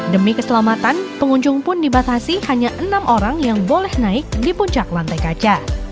demi keselamatan pengunjung pun dibatasi hanya enam orang yang boleh naik di puncak lantai kaca